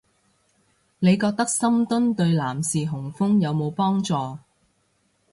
你覺得深蹲對男士雄風有冇幫助